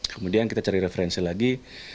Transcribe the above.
kemudian kita cari referensi lagi